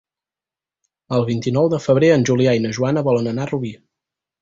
El vint-i-nou de febrer en Julià i na Joana volen anar a Rubí.